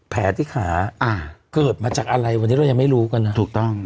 แผลที่ขาอ่าเกิดมาจากอะไรวันนี้เรายังไม่รู้กันนะถูกต้อง